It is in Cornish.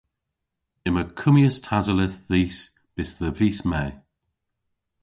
Yma kummyas tasoleth dhis bys dhe vis Me.